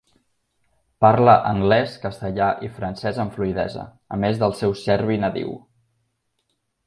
Parla anglès, castellà i francès amb fluïdesa, a més del seu serbi nadiu.